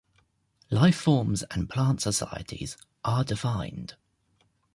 Lifeforms and plant-societies are defined.